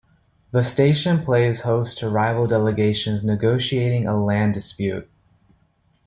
The station plays host to rival delegations negotiating a land dispute.